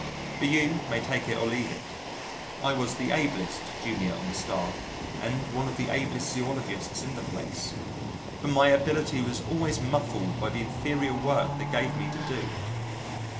But you may take it or leave it: I was the ablest junior on the staff and one of the ablest zoologists in the place but my ability was always muffled by the inferior work they gave me to do.